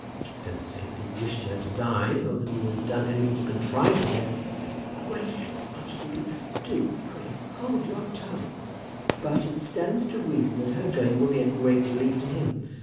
I don't say that he wished her to die, or that he would have done anything to contrive her death " "Gracious, archdeacon; do, pray, hold your tongue." "But it stands to reason that her going will be a great relief to him.